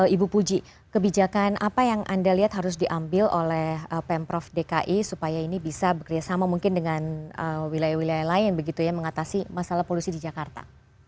ibu puji kebijakan apa yang anda lihat harus diambil oleh pemprov dki supaya ini bisa bekerjasama mungkin dengan wilayah wilayah lain begitu ya mengatasi masalah polusi di jakarta